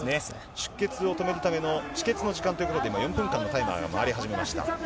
出血を止めるための、止血の時間ということで、今、４分間のタイマーが回り始めました。